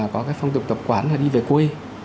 có phong tục tập quán là đi về quê